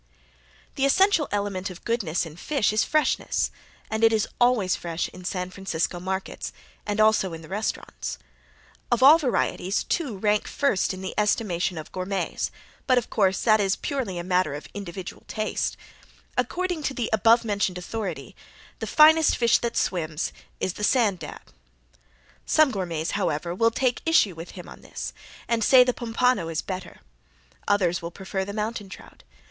The essential element of goodness in fish is freshness, and it is always fresh in San Francisco markets, and also in the restaurants. Of all varieties two rank first in the estimation of gourmets, but, of course, that is purely a matter of individual taste. According to the above mentioned authority, "the finest fish that swims is the sand dab." Some gourmets, however, will take issue with him on this and say the pompano is better. Others will prefer the mountain trout.